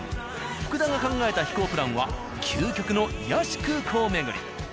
福田が考えた飛行プランは究極の癒やし空港巡り。